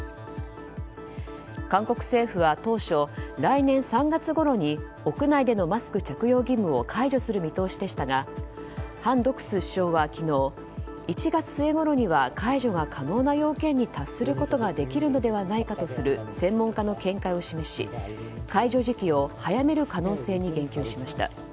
韓国政府は当初、来年３月ごろに屋内でのマスク着用義務を解除する見通しでしたがハン・ドクス首相は昨日１月末ごろには解除が可能な要件に達することができるのではないかとする専門家の見解を示し解除時期を早める可能性に言及しました。